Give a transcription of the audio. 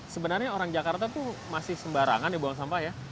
sebenarnya orang jakarta tuh masih sembarangan dibuang sampah ya